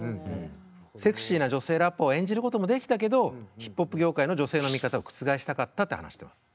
セクシーな女性ラッパーを演じることもできたけどヒップホップ業界の女性の見方を覆したかったって話してます。